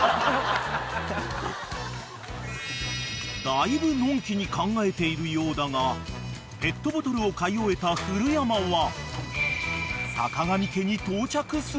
［だいぶのんきに考えているようだがペットボトルを買い終えた古山は］